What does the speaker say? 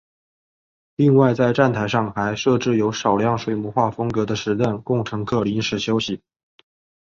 另外在站台上还设置有少量水墨画风格的石凳供乘客临时休息。